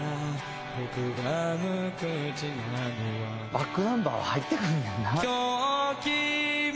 「ｂａｃｋｎｕｍｂｅｒは入ってくんねんな」